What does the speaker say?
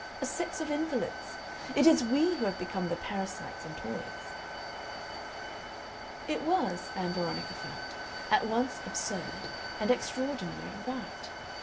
A sex of invalids. It is we who have become the parasites and toys." It was, Ann Veronica felt, at once absurd and extraordinarily right.